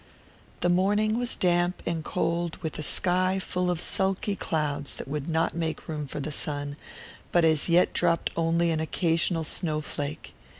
The morning was damp and cold, with a sky full of sulky clouds that would not make room for the sun, but as yet dropped only an occasional snow flake.